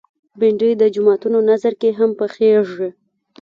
بېنډۍ د جوماتونو نذر کې هم پخېږي